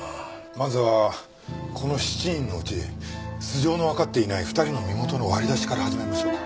まずはこの７人のうち素性のわかっていない２人の身元の割り出しから始めましょうか。